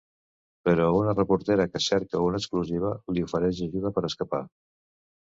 Però una reportera que cerca una exclusiva li ofereix ajuda per escapar.